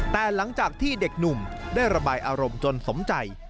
แต่หลังจากที่เด็กหนุ่มได้ระบายอารมณ์จนสมใจ